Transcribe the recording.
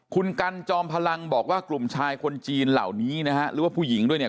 คุณกันจอมพลังบอกว่ากลุ่มชายคนจีนเหล่านี้นะฮะหรือว่าผู้หญิงด้วยเนี่ย